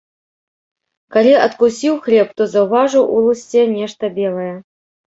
Калі адкусіў хлеб, то заўважыў у лусце нешта белае.